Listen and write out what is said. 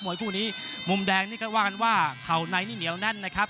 วยคู่นี้มุมแดงนี่ก็ว่ากันว่าเข่าในนี่เหนียวแน่นนะครับ